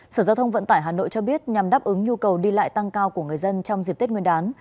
sở giao thông vận tải hà nội cho biết nhằm đáp ứng nhu cầu đi lại tăng cao của người dân trong dịp tết nguyên đán